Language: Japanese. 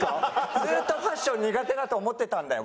ずっとファッション苦手だと思ってたんだよ